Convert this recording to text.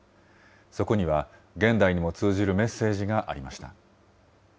そこには、現代にも通じるメッセージがありました。